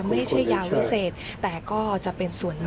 ฝังไว้ในเพื่อนร่วมกัน